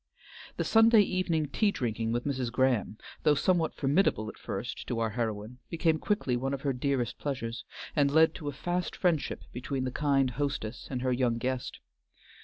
The Sunday evening tea drinking with Mrs. Graham, though somewhat formidable at first to our heroine, became quickly one of her dearest pleasures, and led to a fast friendship between the kind hostess and her young guest.